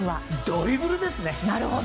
ドリブルですね。